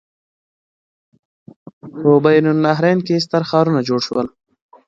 په بین النهرین کې ستر ښارونه جوړ شول.